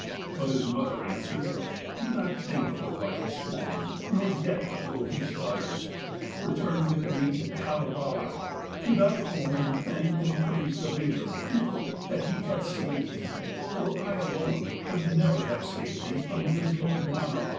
But his mother answered: 'Do not think of the wild swan, nor yet of Louhi's daughters. Return with me to Kalevala to thy home, and thank and praise thy Maker, Ukko, that he hath saved thee, for I alone could never have saved thee from dismal Manala.'